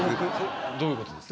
どういうことですか？